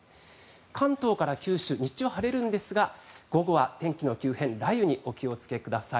関東から九州日中は晴れるんですが午後は天気の急変雷雨にお気をつけください。